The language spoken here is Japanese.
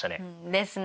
ですね！